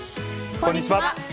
こんにちは。